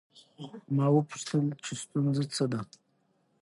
ما وپوښتل چې ستونزه څه ده؟